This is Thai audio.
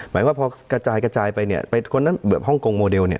หมายว่าพอกระจายกระจายไปเนี่ยไปคนนั้นแบบฮ่องกงโมเดลเนี่ย